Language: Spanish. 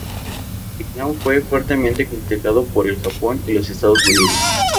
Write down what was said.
El plan fue fuertemente criticado por el Japón y los Estados Unidos.